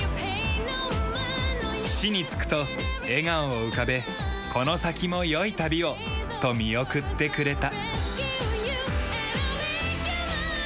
岸に着くと笑顔を浮かべ「この先も良い旅を」と見送ってくれた。